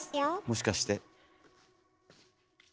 もしかして。